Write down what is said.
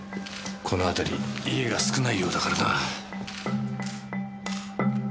この辺り家が少ないようだからな。